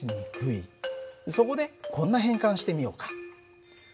そこでこんな変換してみようか。